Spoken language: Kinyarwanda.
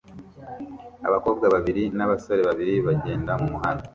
Abakobwa babiri n'abasore babiri bagenda mumuhanda